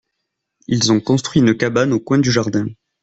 Ils ont construit une cabane au coin du jardin.